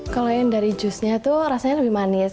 kalau yang dari jusnya itu rasanya lebih manis